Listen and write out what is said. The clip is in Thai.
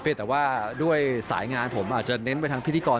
แต่ว่าด้วยสายงานผมอาจจะเน้นไปทางพิธีกร